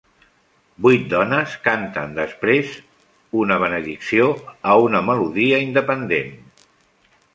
Vuit dones canten després una benedicció a una melodia independent.